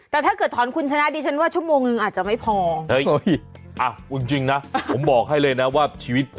แต่ถ้าเกิดถอนคุณชนะดิฉันว่าชั่วโมงนึงอาจจะไม่พอ